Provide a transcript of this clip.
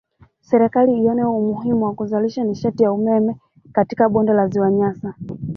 Serikali ione umuhimu wa kuzalisha nishati ya umeme katika bonde la ziwa Nyasa